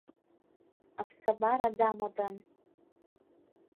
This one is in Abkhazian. Аԥсабара дамадан.